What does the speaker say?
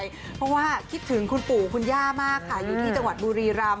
เพราะว่าคิดถึงคุณปู่คุณย่ามากค่ะอยู่ที่จังหวัดบุรีรำ